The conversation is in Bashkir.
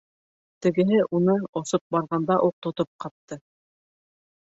Тегеһе уны осоп барғанда уҡ тотоп ҡапты.